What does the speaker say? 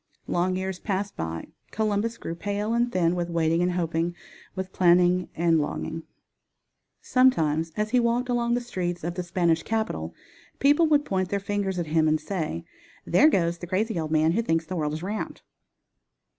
Long years passed by. Columbus grew pale and thin with waiting and hoping, with planning arid longing. Sometimes as he walked along the streets of the Spanish capital people would point their fingers at him and say: "There goes the crazy old man who thinks the world is round."